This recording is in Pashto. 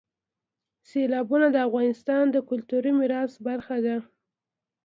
سیلابونه د افغانستان د کلتوري میراث برخه ده.